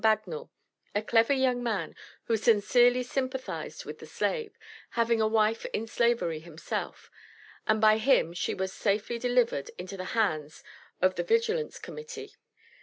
Bagnal, a clever young man who sincerely sympathized with the slave, having a wife in slavery himself; and by him she was safely delivered into the hands of the Vigilance Committee.